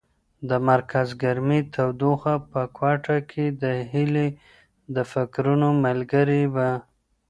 د مرکز ګرمۍ تودوخه په کوټه کې د هیلې د فکرونو ملګرې وه.